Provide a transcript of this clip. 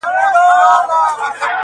د سترگو اوښکي دي خوړلي گراني .